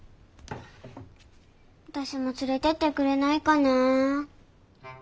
私も連れてってくれないかなあ。